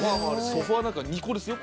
ソファなんか２個ですよ。